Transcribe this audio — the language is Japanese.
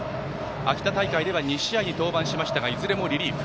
秋田大会では２試合に登板しましたがいずれもリリーフ。